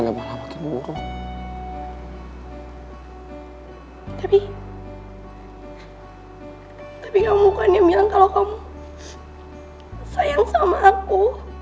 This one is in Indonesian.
kamu mau nyambil kalau kamu sayang sama aku